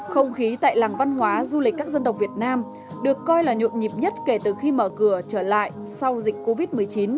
không khí tại làng văn hóa du lịch các dân tộc việt nam được coi là nhộn nhịp nhất kể từ khi mở cửa trở lại sau dịch covid một mươi chín